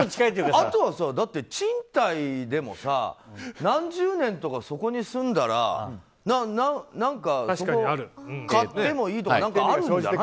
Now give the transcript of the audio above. あとは、賃貸でもさ何十年とかそこに住んだら、そこを買ってもいいとかあるんじゃない。